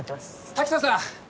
滝藤さん！